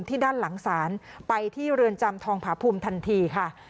ด้านหลังศาลไปที่เรือนจำทองผาภูมิทันทีค่ะ